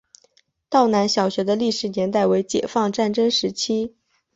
道南小学的历史年代为解放战争时期。